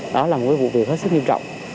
đó là một vụ việc rất là nghiêm trọng